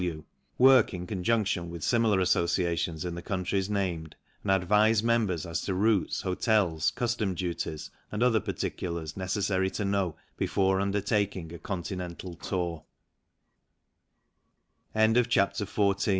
W., work in conjunction with similar associations in the countries named and advise members as to routes, hotels, customs duties, and other particulars necessary to know before undertaking a Continental t